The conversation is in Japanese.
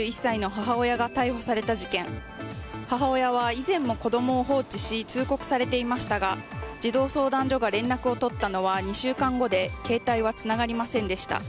母親は以前も子供を放置し通告されていましたが児童相談所が連絡を取ったのは２週間後で携帯はつながりませんでした。